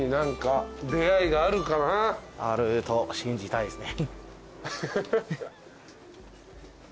あると信じたいですね。